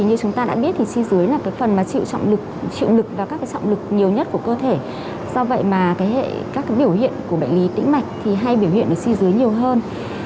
như chúng ta đã biết chi dưới là phần chịu lực và các trọng lực nhiều nhất của cơ thể do vậy các biểu hiện của bệnh lý tĩnh mạch hay biểu hiện vào chi dưới nhiều hơn